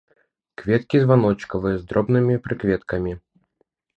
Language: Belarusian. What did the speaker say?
Кветкі званочкавыя з дробнымі прыкветкамі.